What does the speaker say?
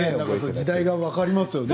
時代が分かりますよね。